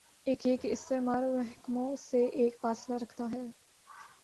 ایک یہ کہ استعمار محکوموں سے ایک فاصلہ رکھتا ہے۔